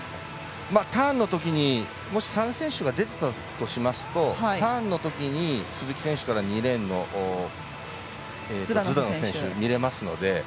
ターンのときにもし３選手が出てたとしますとターンのときに鈴木選手から２レーンのズダノフ選手を見れますので。